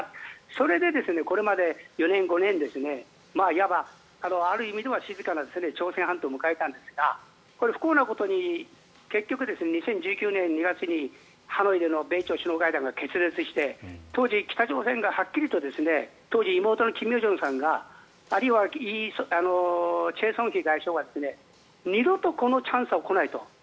それでこれまで４年、５年いわばある意味では静かな朝鮮半島を迎えたんですがこれ、不幸なことに結局２０１９年２月にハノイでの米朝首脳会談が決裂して当時、北朝鮮がはっきりと当時、妹の金与正さんがあるいはチェ・ソンヒ外相が二度とこのチャンスは来ないと。